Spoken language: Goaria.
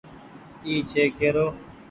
اي ڇي ڪيرو ۔